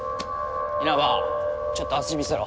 稲葉ちょっと足見せろ。